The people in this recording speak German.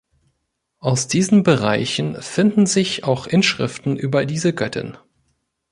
Aus diesen Bereichen finden sich auch Inschriften über diese Göttin.